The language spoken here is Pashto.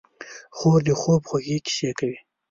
خور د خوب خوږې کیسې کوي.